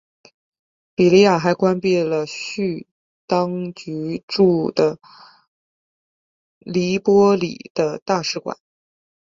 利比亚还关闭了叙当局驻的黎波里的大使馆。